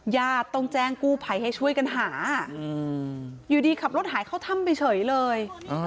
ญาติต้องแจ้งกู้ภัยให้ช่วยกันหาอยู่ดีขับรถหายเข้าถ้ำไปเฉยเลย